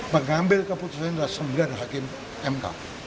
menggambil keputusan adalah sembiar hakim mk